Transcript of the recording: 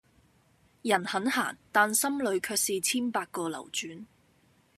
人很閒、但心裏卻是千百個流轉